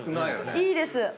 いいです。